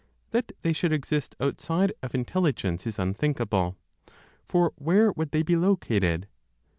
That they should exist outside of Intelligence, is unthinkable; for where would they be located?